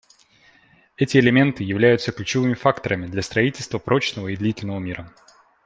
Эти элементы являются ключевыми факторами для строительства прочного и длительного мира.